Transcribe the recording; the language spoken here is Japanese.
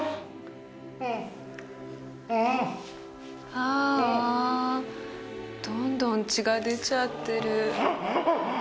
あーあどんどん血が出ちゃってる。